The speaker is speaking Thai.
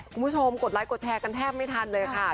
คุณผู้ชมกดไลค์กดแชร์กันแทบไม่ทันเลยค่ะ